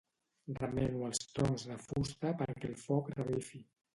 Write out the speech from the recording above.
Remeno els troncs de fusta perquè el foc revifi.